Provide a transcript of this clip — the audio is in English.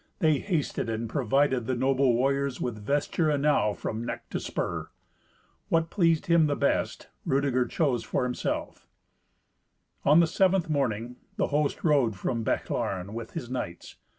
They hasted and provided the noble warriors with vesture enow from neck to spur. What pleased him the beast, Rudeger chose for himself. On the seventh morning the host rode from Bechlaren with his knights.